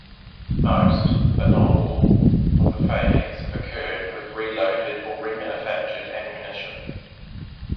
Most, but not all, of the failures have occurred with reloaded or remanufactured ammunition.